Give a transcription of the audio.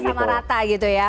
jadi semuanya sama rata gitu ya